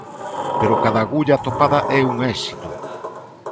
Pero cada agulla atopada é un éxito.